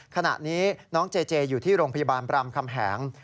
ขณะนี้น้องเจเจอยู่ที่โรงพยาบาลบรามคำแหง